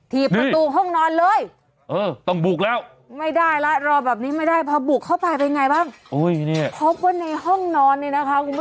ทีประตูห้องนอนเลย